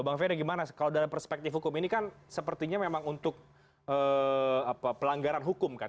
bang ferry gimana kalau dalam perspektif hukum ini kan sepertinya memang untuk pelanggaran hukum kan